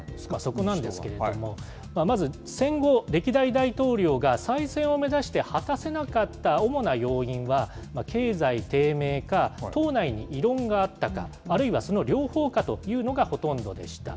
そこなんですけれども、まず、戦後、歴代大統領が再選を目指して果たせなかった主な要因は、経済低迷か、党内に異論があったか、あるいはその両方かというのがほとんどでした。